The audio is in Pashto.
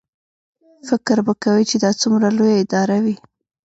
فکر به کوې چې دا څومره لویه اداره وي.